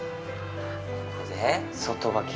ここで外履き。